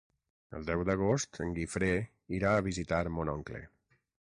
El deu d'agost en Guifré irà a visitar mon oncle.